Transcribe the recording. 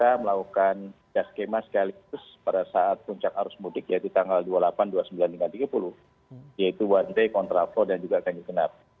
jadi kita melakukan kekemasan sekaligus pada saat puncak arus mudik yaitu tanggal dua puluh delapan dua puluh sembilan tiga puluh yaitu wante kontravo dan juga kanyukenap